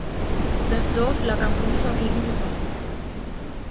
Das Dorf lag am Ufer gegenüber.